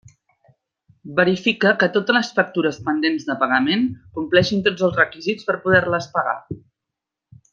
Verifica que totes les factures pendents de pagament compleixin tots els requisits per poder-les pagar.